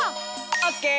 オッケー。